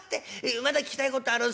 まだ聞きたいことあるんす。